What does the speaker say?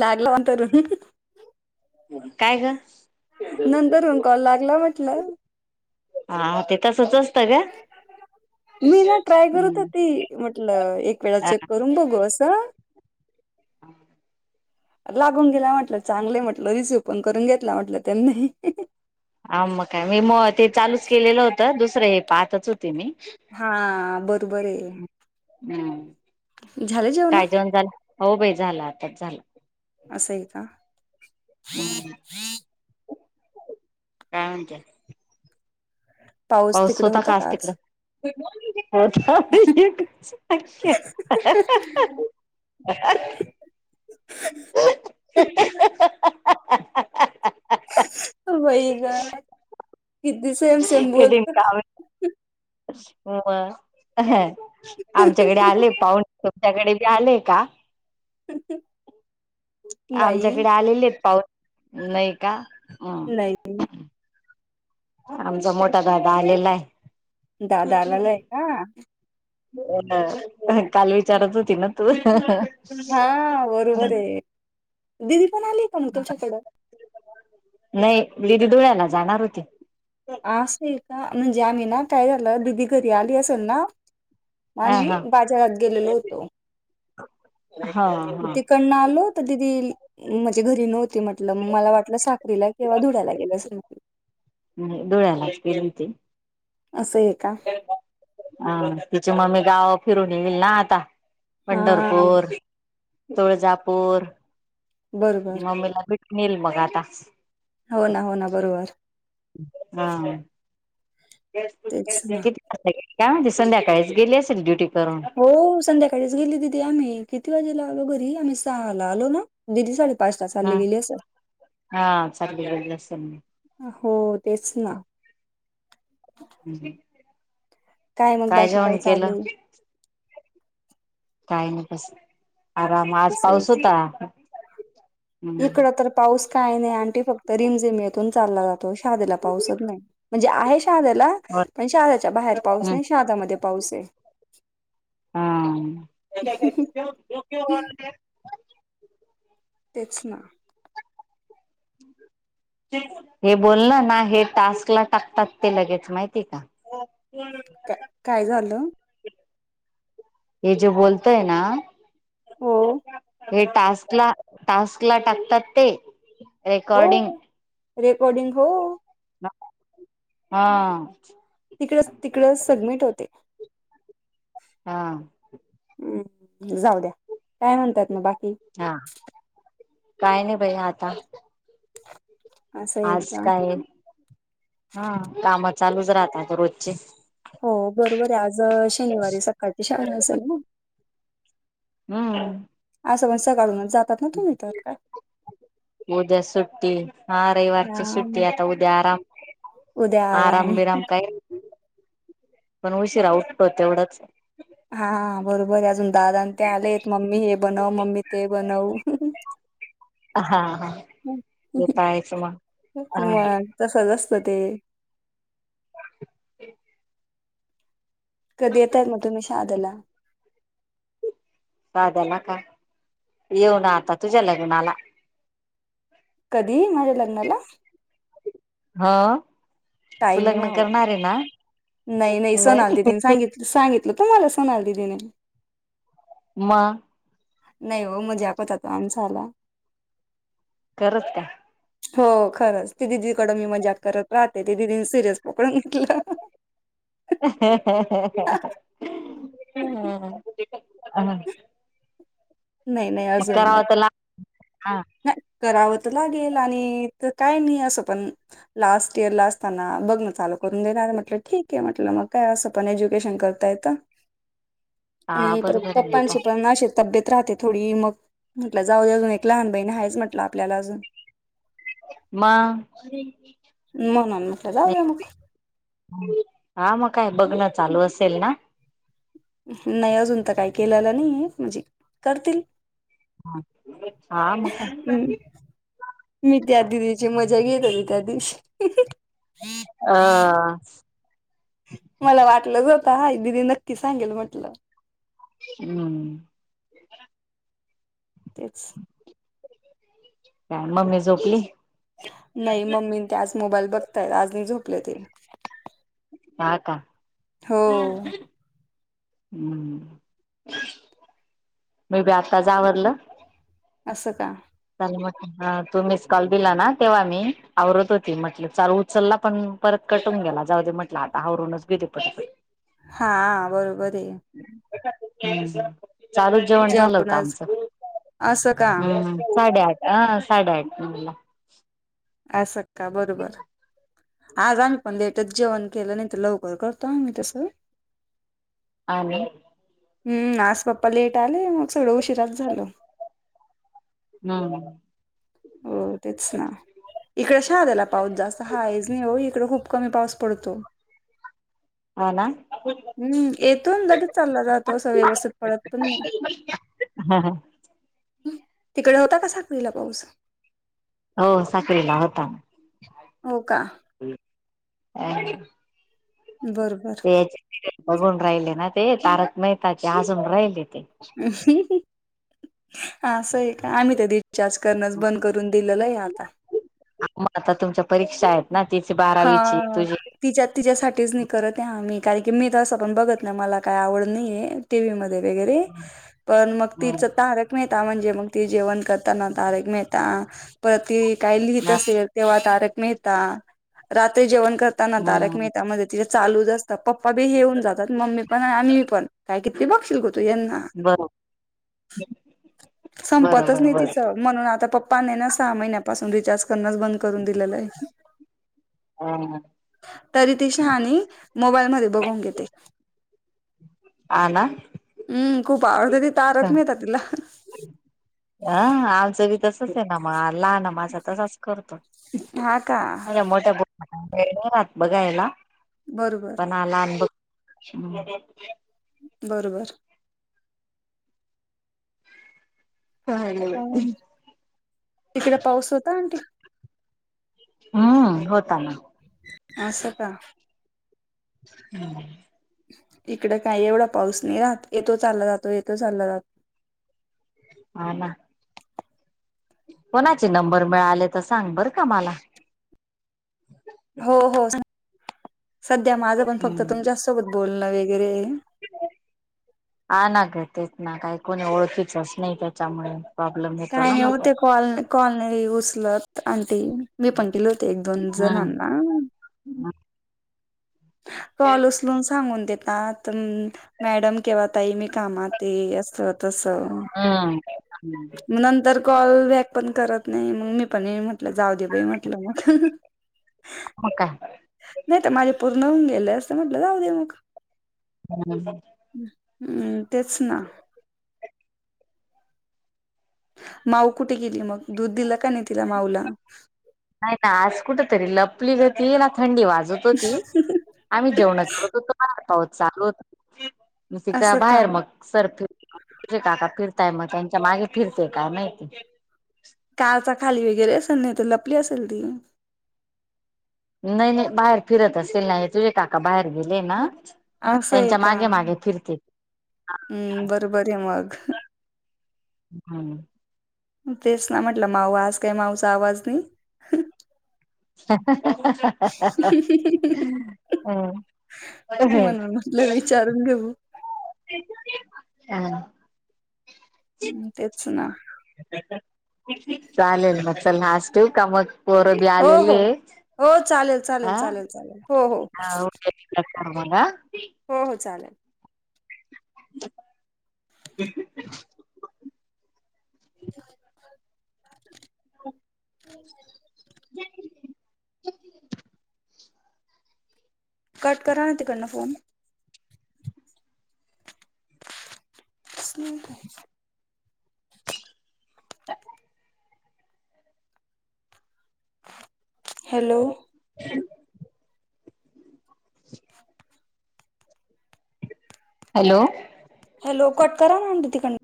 लागलावंतर काय ग नंतरन कॉल लागला म्हटल. हा ते तसच असतं ग. मी ना ट्राय करत हो त म्हटलं एक वेळा चेक करून बघू अस. हम [unintelligible] लागून गेला म्हटलं चांगलं म्हटलं रिसीव पण करून घेतला म्हटलं त्यांनी. आम म काय मी मग ते चालूच केलेलं होतं दुसरं हे पाहच हो हा बरोबर आहे. हम्म. झालं जाऊ ना? काय जेवण झालं हो भाई झालं आताच झालं. असं आहे का. हम्म काय म्हणतीया? पाऊस होता आज तिकड? आता [unintelligible] [unintelligible] हा हा हा [inaudible] वईग किती सेम, सेम बोलतो. ह आमच्याकडे आले पाहुणे. त्याकडे बी आलेय का? पती [unintelligible] आमच्याकडे आलेले आहेत पाहु नाही का. नाही आमचा मोठा दादा आलेला आहे. दादा आलालाय हा. काल विचारात होती ना तु. हा बरोबर आहे दिदी कोण आली पण तुच्या तिड? मीत धुळ्याला जाणार होती. असेल का म्हणजे आम्ही ना काय झालं दिदी घरी आली असेल ना हा आम्ही हा बाजारात गेलेलो होतो. हो [unintelligible] तिकडन आलो तर दिदी माझजे घरी नोव्ह म्हटलं मग मला वाटलं साखरीला किंवा धुड्याला गेले असल. हम्म धोळ्यालाच गेलती. असं आहे का हा तिची मम्मी गाव फिरून येईल ना आता हां, पंढरपूर तुळजापूर बरोबर. मम्मीला भेट नल मग आता हो ना, हो ना, बरोबर. हा तेच ना. किती काय म्हण संध्याकाळीच गेली असेल ड्युटी करून हो संध्याकाळीच गेली दिदी आम्ही किती वाजे लाव लो घरी हमे सहा लालो ना दिदी साडे पाच त चालली ह गेली हा चालली गेली असेल हो तेच ना मग काय बाकी जेऊण चालू केलं आहे? काही नाही बस आराम आज पाऊस होता हम्म इकड तर पाऊस काय नाही आणंटी फक्त रिमझिम येथून चालला जातो. शदला पाऊसच नाही म्हणजे आहे शदला और पण शच्या बाहेर पाऊस हम्म नाही शदामध्ये पाऊस अस असे हा. तेच ना. रिकामा ऑडिओ हे बोल ना ना हे टास्क ला टाकतात ते लगेच माहिती का? का काय झालं? हे जे बोलतय ना... हो हे टास्क ला टास्क ला टाकतात ते रेकॉर्डिंग. हो रेकॉर्डिंग हो.. हा. तिकड तिकड सगमिट होते हा जाऊ द्या काय म्हणतात मग बाकी हा काय नाही भाई आता असं आहे आज का काय हा काम चालूच राहतात रोजचे हो बरोबर आहे आज शनिवारी सकाळची शाळा असेल ना हम्म. असं मण स काढूनच जातात ना तुम्ही तर काय ते. हा रविवारची सुट्टी राम आता उद्या आराम आराम बराम काय. पण उशीिरा उठतो तेवढंच. हा बरोबर आहे अजून दादा ते आलेत मम्मी हे बनव मम्मी ते बनव. हा हा हं. यतायच मग हा. मग [unintelligible] रिकामा ऑडिओ कधी येतय म तुमी शादीला? [unintelligible] येऊ ना आता तुझ्या लग्नाला. कधी माझ्या लग्नाला. ह तू टाईम आहे ना लग्न हो. करणार आहे ना. नाही नाही सोनाल दिदीने सांगित सांगितलं त मला सोनाल दिदीने. मग. नाही हो मझ्याकता तो आम झा आला कररत. हो खरंच ती दिदीकडं मी मजाात करत राहते ती दिदीनी सिरियस पकडून घेतलं. हं हा. नाही नाही अजून नाही. हा नाही कराव. लाे काय नाही अस पण लाट इर ला असताना बघण चालू करून दे. म्हटलं ठीक आहे म्हट मग काय असं पण एज्युकेशन करतायेत. रिकामा ऑडिओ आणि पर पप्पाानचे पण नाते. तब्येत राहते थोडी मग म्हट जाऊजून एक लहान बाईण आहेच म्हटलं आपल्याला अजून. म. म म्हटलं जाऊदे मग. हा मग काय बघण चालू असेल ना. नाही अजून तर काही केलेला नाहीय म्हणजे करतील. ह मग हं, काय? मी त्या दिदीची मजा घेत र त्या दिवशी. ह. मला वाटलंच होतं हा दिदी नक्की सांगेल म्हटलं. हम्म. तेच काय मम्मी झोपली. नाही मम्मी ते आज मोबाईल बघतायत आजनी झोपले ते. हा का. हो. हम् मी बी आता जावरडलं. असं का. लट तू मिस कॉल दिला ना तेव्हा मी आवरत होती म्हटल चालू उचलला पण. परत कटून गेला जाऊ दे म्हटलं आता हवरूनच गेेत प हा बरोबर आहे. हम्म चालूच जेवण झालं होत जेवणच आमचं असं का हम्म. साडेआठ अह साडेआठ नऊला आस का बरोबर. आज आम्ही पण लेटच जेवण केलं नाही तर लवकर करतो आम्ही तस. आणि... हम्म आज पप्पा लेट आले मग सगळ उशिराच झाल. हम.. हो तेच ना इकडे शहाद्याला पाऊस जास्त हायच नाही हो इकडे खूप कमी पाऊस पडतो हा ना हम्म येतो गरी चालला जातो असं व्यवस्थित पडत पण नाही हा हा तिकडे होता का साखळीला पाऊस हो साखरीला होता हो का अ बरोबर ते बघून राहिले ना ते तारक मेहताचे हसून राहिले ते ह् ह हा स आहे का आम्ही ते रिचार्ज करणच बंद करून दिलेलं आहे आता मग आता तुमच्या परीक्षा आहेत ना तिची बारावीची हा तुझी तिच्या तिच्यासाठीच करत आहे आम्ही कारण की मी तसं पण बघत नाही मला काही आवड नाही टीव्ही म वरे पण मग ति हम्म तारक म्हजे मग ते जेवण करताना तारक मेहता परत त काय लिहित असेल तेव्हा तारके रात्री जेवण करताना तारक हम्म मेहता्यामध्ये तिे लूच असतात पप्पा बी हेऊन जातात मम्मी पण आणि आम्ही पण काय बघशील गो तू यांना बरोब संपतच बरोबर नाही बरोबर तिचं म्हणून आता पप् ्पाने ना सहा महिन्यापासून रिचार्ज करणच बंद करून दिलेलं आहे ह ह तरी ती शहाणी मोबाईलमध्ये बघून घेते ह ना हम खूप आवडतं तारक अ मेहता तिला. आमचं बी तसच आहे ना मग आ ल ना माझा तसाच करतो हा का अ्या मोठ्या ेयेणार आहात बघायला? बरोबर पण आला अनुभव. श [inaudible] बरोबर. तिकडे पाऊस होता आंटी? हम्म होताना. आश का? हम [inaudible] इकड काही एवढा पाऊस नाही राहत. येतो चालला जातो, येतो चालला जातो. [unintelligible] कोणाचे नंबर मिळाले, तर सांग, बर का मला. हो हो सध्या माझं पण फक्त हम्म तुमच्या सोबत बोलणं वगैरे. हा ना ग तेच ना, काही कोणी ओळखीचच नाही त्याच्यामुळे प्रॉब्लेम येतो काही ना नाही मग होते कॉल. कॉल नाही उसलत आणि मी पंकिले होते एक दोन हम्म जणांना कॉल उचलून सांगून देतात, अ मॅडम केव्हा ताई मी कामात आहे असं. तस. हम्म नंतर कॉल बॅक पण करत नाही मग मी पण म्हटलं जाऊ दे बाई, म्हटलं मग. हो का. नाही तर माझे पूर्ण होऊन गेले असते. म्हटलं जाऊ दे मग. [inaudible] हम् तेच ना. माऊ कुठे गेली मग? दूध दिलं का नाही तिला? माऊला. नाही ना आज कुठ तरी लपली होती. ना, थंडी वाज.. जत होती, आम्ही जेवण करत होतो. पाऊस चालू होत. मग ते का बाहेर मग सरत [unintelligible] फिरताय मग त्यांच्या मागे फिरतेय का, नाही. कारचा खाली वगैरे असेल, नाही तर लपली असेल ती. नाही, नाही बाहेर फिरत असेल, नाही तुझे काका बाहेर गेले ना. असं आहे त्यांच्या का, मागे मागे फिरते हम् बरोबर आहे मग. हम्म. तेच ना म्हटलं माऊ, आज काही माउचा आवाज नाही. हम अ म्हणून म्हटलं ह. विचारून घेऊ [inaudible] हा. हम्म तेच ना. चालेल मग, चल लास ठेऊ का मग? पोर बी हो आलेले हो हो चालेल चालेल ह. चालेल चालेल हो हो [unintelligible] आमाला हो हो चालेल ह [inaudible] खूप. ह. ज. कट करा ना तिकडंना फोन. [inaudible] का. [inaudible] हॅलो. हॅलो. लो कट करा ना तिकडना